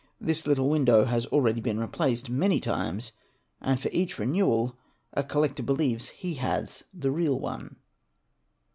* This little window has already been replaced many times and for each renewal a collector believes he has the real one.